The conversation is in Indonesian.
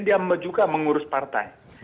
dia juga mengurus partai